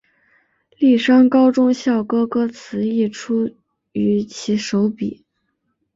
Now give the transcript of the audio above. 丽山高中校歌歌词亦出于其手笔。